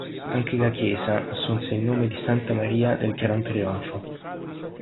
Anche la chiesa assunse il nome di Santa Maria del Gran Trionfo.